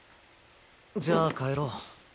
じゃあ帰ろう。